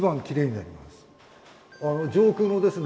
上空のですね